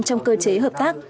trong cơ chế hợp tác